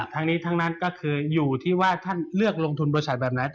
ทั้งนี้ทั้งนั้นก็คืออยู่ที่ว่าท่านเลือกลงทุนบริษัทแบบไหน